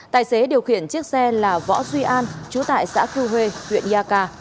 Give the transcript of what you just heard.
tài xế điều khiển chiếc xe là võ duy an trú tại xã thiêu huê huyện nha ca